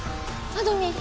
あどミン！